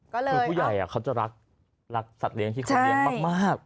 คือผู้ใหญ่เขาจะรักรักสัตว์เลี้ยงที่เขาเลี้ยงมาก